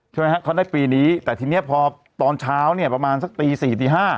ใช่ไหมฮะเขาได้ปีนี้แต่ทีนี้พอตอนเช้าเนี่ยประมาณสักตี๔ตี๕